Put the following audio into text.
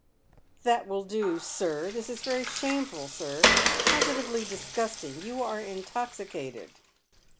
" That will do, sir. This is very shameful, sir, positively disgusting. You are intoxicated."